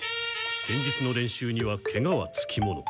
剣術の練習にはケガはつきもの。